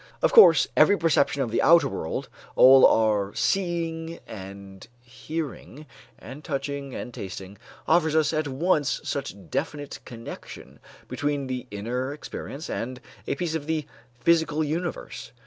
Of course, every perception of the outer world, all our seeing and hearing, and touching and tasting, offers us at once such definite connection between the inner experience and a piece of the physical universe.